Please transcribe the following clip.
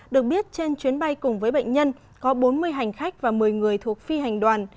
được biết trên chuyến bay cùng với bệnh nhân có bốn mươi hành khách và một mươi người thuộc phi hành đoàn